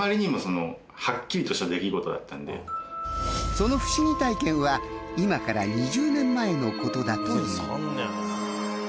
その不思議体験は今から２０年前のことだという。